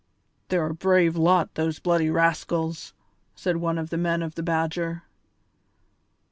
"They're a brave lot, those bloody rascals," said one of the men of the Badger.